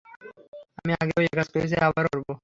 আমি আগেও একাজ করেছি, আবারও করবো।